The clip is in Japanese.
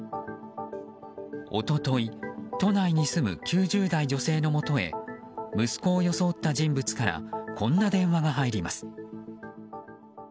一昨日、都内に住む９０代女性のもとへ息子を装った人物からこんな電話が入ります。